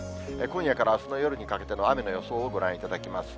今夜からあすの夜にかけての雨の予想をご覧いただきます。